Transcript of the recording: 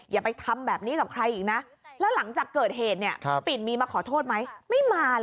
อย่าไปทำแบบนี้กับใครอีกนะแล้วหลังจากเกิดเหตุเนี่ยปิ่นมีมาขอโทษไหมไม่มาเลย